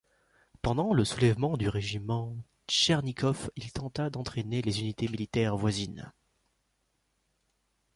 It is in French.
Pendant le soulèvement du régiment Tchernigov il tenta d'entraîner les unités militaires voisines.